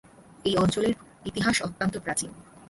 এই অঞ্চলের ইতিহাস অত্যন্ত প্রাচীন।